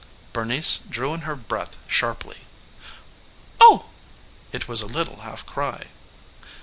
Bernice drew in her breath sharply. "Oh!" It was a little half cry.